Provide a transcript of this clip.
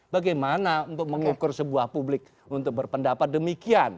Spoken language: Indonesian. bagaimana untuk mengukur sebuah publik untuk berpendapat demikian